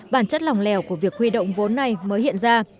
bản chất lòng lèo của việc huy động vốn này mới hiện ra